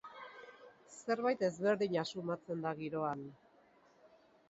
Zerbait ezberdina sumatzen da giroan.